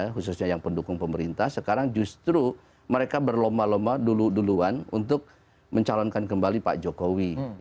khususnya yang pendukung pemerintah sekarang justru mereka berlomba lomba dulu duluan untuk mencalonkan kembali pak jokowi